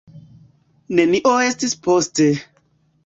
Nenio estis poste.